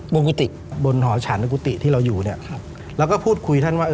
กุฏิบนหอฉันในกุฏิที่เราอยู่เนี่ยครับแล้วก็พูดคุยท่านว่า